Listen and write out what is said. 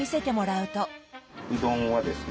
うどんはですね